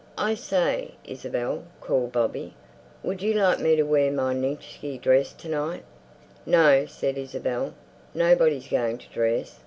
"I say, Isabel," called Bobby, "would you like me to wear my Nijinsky dress to night?" "No," said Isabel, "nobody's going to dress.